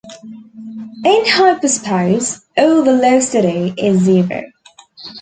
In Hyperspace, all velocity is zero.